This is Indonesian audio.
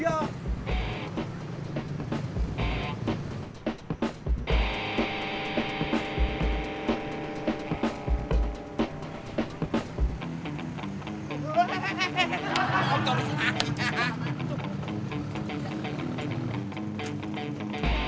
aku gak mau aku gak mau